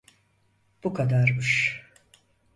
Bu kadarmış.